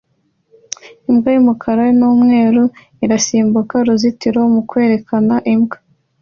imbwa y'umukara n'umweru irasimbuka uruzitiro mu kwerekana imbwa